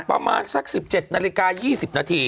ประมาณสัก๑๗นาฬิกา๒๐นาที